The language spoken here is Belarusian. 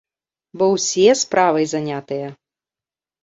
Бо ўсе справай занятыя!